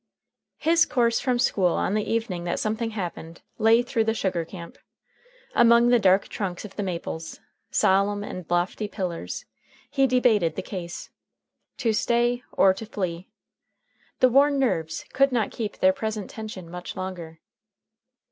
His course from school on the evening that something happened lay through the sugar camp. Among the dark trunks of the maples, solemn and lofty pillars, he debated the case. To stay, or to flee? The worn nerves could not keep their present tension much longer.